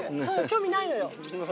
興味ないのよ。